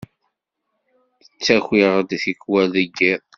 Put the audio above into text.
Ttakiɣ-d tikwal deg yiḍ.